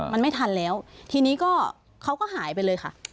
มันไม่ทันแล้วทีนี้ก็เขาก็หายไปเลยค่ะ